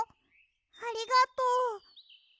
ありがとう。